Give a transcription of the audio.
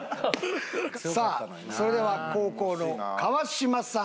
さあそれでは後攻の川島さん。